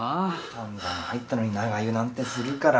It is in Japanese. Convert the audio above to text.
散々入ったのに長湯なんてするから。